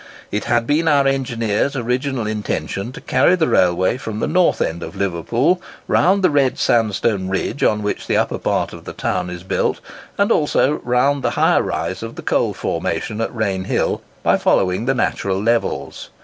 It had been our engineer's original intention carry the railway from the north end of Liverpool, round the red sandstone ridge on which the upper part of the town is built, and also round the higher rise of the coal formation at Rainhill, by following the natural levels.